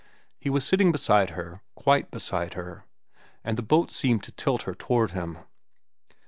He was sitting beside her, quite beside her, and the boat seemed to tilt her toward him.